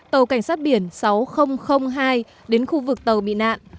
tàu cảnh sát biển sáu nghìn hai đến khu vực tàu bị nạn